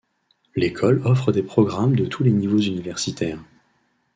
L’école offre des programmes de tous les niveaux universitaires.